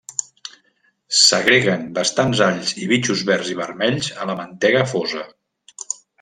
S'agreguen bastants alls i bitxos verds i vermells a la mantega fosa.